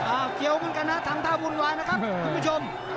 เกี่ยวเหมือนกันนะทำท่าวุ่นวายนะครับคุณผู้ชม